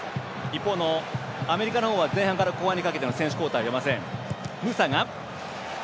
一方、アメリカは前半から後半にかけての選手交代はありません。